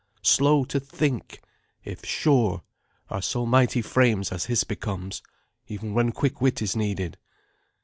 Slow to think, if sure, are so mighty frames as his becomes, even when quick wit is needed."